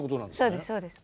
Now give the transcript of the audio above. そうですそうです。